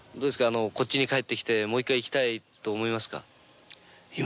こっちに帰ってきてもう一回行きたいと思いますか？